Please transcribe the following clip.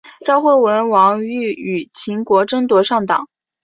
赵惠文王欲与秦国争夺上党。